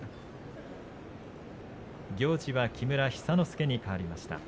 行司は木村寿之介にかわりました。